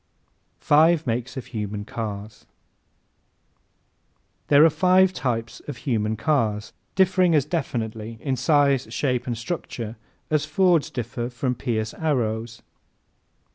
Five Makes of Human Cars ¶ There are five makes or types of human cars, differing as definitely in size, shape and structure as Fords differ from Pierce Arrows.